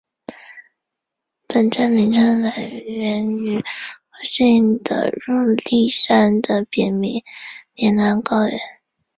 本站名称来源于附近的入笠山的别名铃兰高原。